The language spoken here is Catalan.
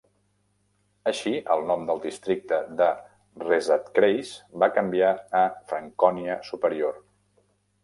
Així el nom del districte de Rezatkreis va canviar a Francònia superior.